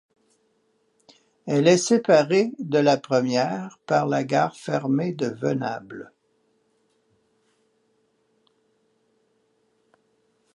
Elle est séparée de la première par la gare fermée de Venables.